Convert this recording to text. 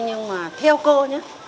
nhưng mà theo cô nhé